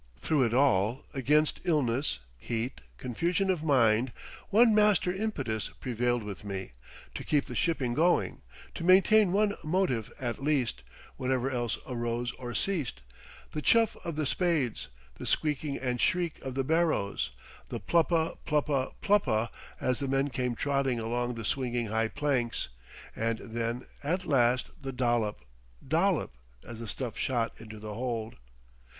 Through it all, against illness, heat, confusion of mind, one master impetus prevailed with me, to keep the shipping going, to maintain one motif at least, whatever else arose or ceased, the chuff of the spades, the squeaking and shriek of the barrows, the pluppa, pluppa, pluppa, as the men came trotting along the swinging high planks, and then at last, the dollop, dollop, as the stuff shot into the hold.